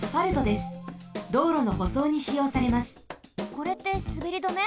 これってすべり止め？